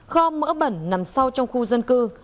kho mỡ bẩn nằm sau trong khu dân cư